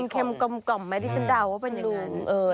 เค็มก่อมไหมที่ฉันดาวว่าเป็นอย่างนั้น